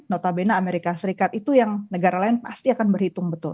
notabene amerika serikat itu yang negara lain pasti akan berhitung betul